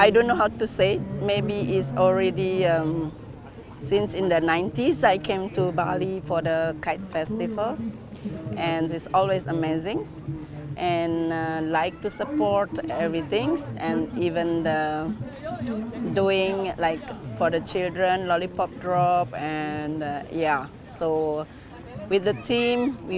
dengan tim kita akan mencapai tahun ini dengan penampilan performa revolusi atau performa kain stand